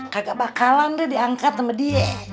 kakak bakalan deh diangkat sama dia